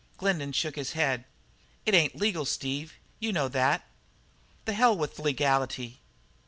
Glendin shook his head. "It ain't legal, Steve. You know that." "The hell with legality."